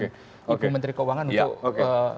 ibu menteri keuangan untuk